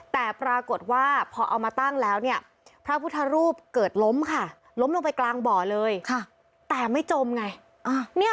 แต่ปรากฏว่าพอเอามาตั้งแล้วเนี่ยพระพุทธรูปเกิดล้มค่ะล้มลงไปกลางบ่อเลยแต่ไม่จมไง